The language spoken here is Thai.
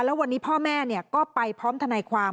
แล้ววันนี้พ่อแม่ก็ไปพร้อมทนายความ